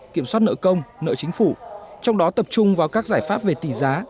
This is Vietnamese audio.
kiểm soát nợ công nợ chính phủ trong đó tập trung vào các giải pháp về tỷ giá